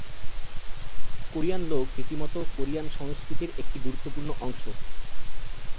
Korean লোক রীতিনীতি Korean সংস্কৃতির একটি গুরুত্বপূর্ণ অংশ।